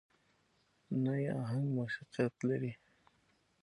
نه يې اهنګ موسيقيت لري.